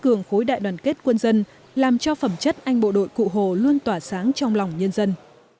cường khối đại đoàn kết quân dân làm cho phẩm chất anh bộ đội cụ hồ luôn tỏa sáng trong lòng nhân dân